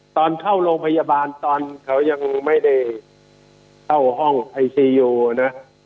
ตอนเข้าโรงพยาบาลตอนเขายังไม่ได้เข้าห้องไอซียูนะ